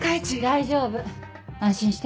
大丈夫安心して。